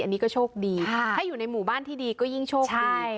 อันนี้ก็โชคดีถ้าอยู่ในหมู่บ้านที่ดีก็ยิ่งโชคดี